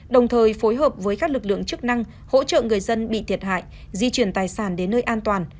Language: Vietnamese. đồng thời phối hợp với các lực lượng chức năng hỗ trợ người dân bị thiệt hại di chuyển tài sản đến nơi an toàn